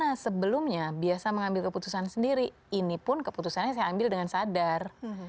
karena sebelumnya biasa mengambil keputusan sendiri ini pun keputusannya saya ambil dengan sadar